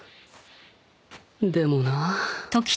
でもなぁ